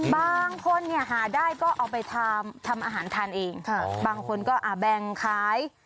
บางคนเนี่ยหาได้ก็เอาไปทำอาหารทานเองบางคนก็แบ่งขาย